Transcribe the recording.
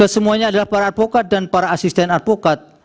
semuanya adalah para advokat dan para asisten advokat